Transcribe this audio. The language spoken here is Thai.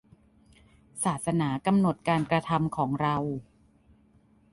ศาสนากำหนดการกระทำของเรา